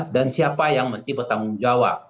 dan siapa yang mesti bertanggung jawab